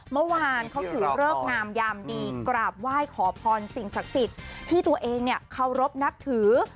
เมื่อวานเขาถือเลิกงามยามดีกราบไหว้ขอพรสิ่งศักดิ์สิทธิ์ที่ตัวเองเนี่ยเคารพนับถือ